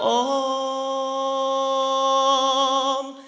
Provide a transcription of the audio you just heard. โอ้ม